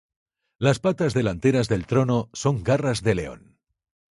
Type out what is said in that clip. Las patas delanteras del trono son garras de león.